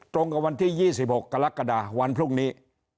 ตรงกับวันที่๒๖กรกฎาวันพรุ่งนี้